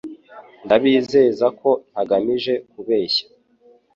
Ndabizeza ko ntagamije kubeshya